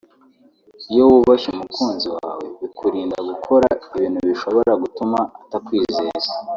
iyo wubashye umukunzi wawe bikurinda gukora ibintu bishobora gutuma atakwizera